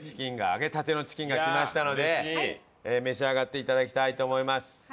揚げたてのチキンが来ましたので召し上がって頂きたいと思います。